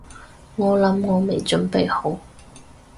我諗我未準備好